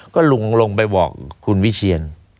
ก็ลุงลงไปบอกคุณวิเชียน